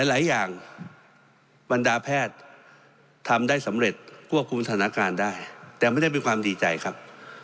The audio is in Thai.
หลายอย่างบรรดาแพทย์ทำได้สำเร็จควบคุมสถานการณ์ได้แต่ไม่ได้เป็นความดีใจครับ